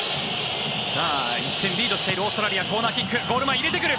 １点リードしているオーストラリア、コーナーキックゴール前に入れてくる！